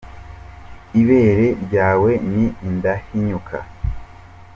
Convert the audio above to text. Ibere ryawe ni indahinyuka